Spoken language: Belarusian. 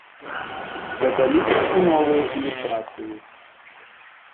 Дадаліся і новыя ілюстрацыі.